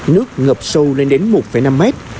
nước ngập sâu lên đến một năm mét